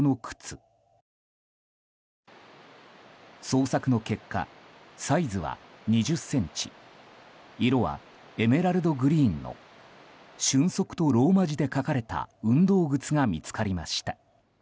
捜索の結果、サイズは２０ｃｍ色はエメラルドグリーンのＳＹＵＮＳＯＫＵとローマ字で書かれた運動靴が見つかりました。